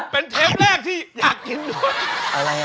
เป็นเทปแรกที่อยากกินด้วย